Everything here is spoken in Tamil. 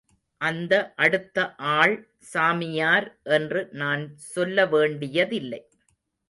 அந்த அடுத்த ஆள் சாமியார் என்று நான் சொல்ல வேண்டியதில்லை.